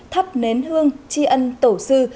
thắp nến hương chi ân tổ sư